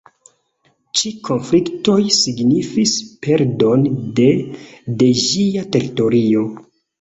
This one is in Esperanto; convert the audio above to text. Ĉi konfliktoj signifis perdon de de ĝia teritorio.